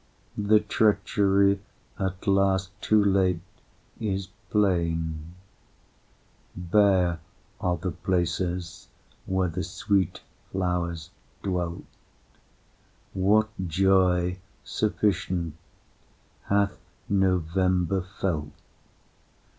The treachery, at last, too late, is plain; Bare are the places where the sweet flowers dwelt. What joy sufficient hath November felt?